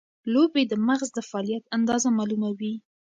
لوبې د مغز د فعالیت اندازه معلوموي.